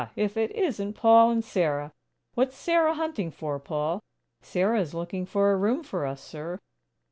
If it isn't Paul and Sarah! What's Sarah hunting for, Paul?" "Sarah is looking for a room for us, sir."